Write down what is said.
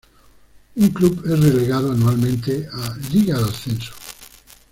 Un Club es relegado anualmente a Liga de Ascenso.